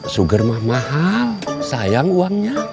suger mah mahal sayang uangnya